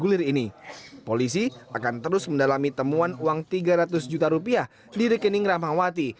gulir ini polisi akan terus mendalami temuan uang tiga ratus juta rupiah di rekening rahmawati